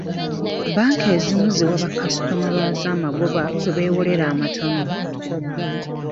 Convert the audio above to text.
Banka ezimu ziwa bakasitoma baazo amagoba kwe bewolera amatono.